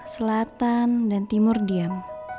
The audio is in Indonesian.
selatan dan timur diam